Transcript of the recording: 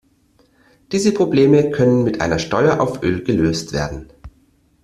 Diese Probleme können mit einer Steuer auf Öl gelöst werden.